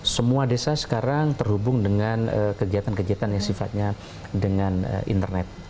semua desa sekarang terhubung dengan kegiatan kegiatan yang sifatnya dengan internet